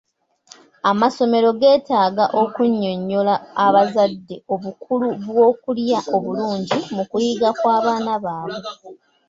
Amasomero geetaaga okunnyonnyola abazadde obukulu bw'okulya obulungi mu kuyiga kw'abaana baabwe.